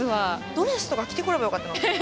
ドレスとか着てこればよかったな。